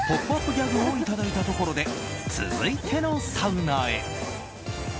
ギャグをいただいたところで続いてのサウナへ。